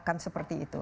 akan seperti itu